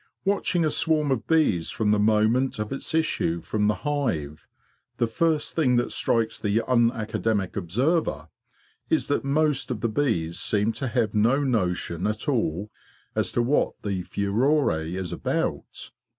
Watching a swarm of bees from the moment of its issue from the hive, the first thing that strikes the unacademic observer is that most of the bees seem to have no notion at all as to what the furore is about.